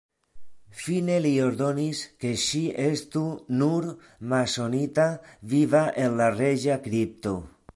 Fine li ordonis, ke ŝi estu "nur" masonita viva en la reĝa kripto.